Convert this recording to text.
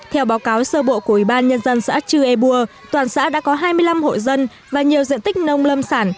theo báo cáo sơ bộ của ủy ban nhân dân xã chư ea toàn xã đã có hai mươi năm hộ dân và nhiều diện tích nông lâm sản